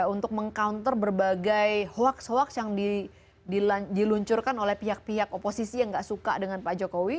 untuk meng counter berbagai hoaks hoaks yang diluncurkan oleh pihak pihak oposisi yang tidak suka dengan pak jokowi